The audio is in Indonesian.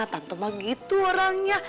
tante mah gitu orangnya